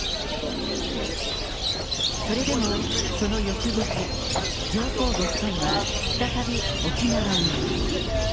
それでもその翌月、上皇ご夫妻は再び、沖縄に。